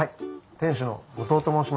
店主の後藤と申します。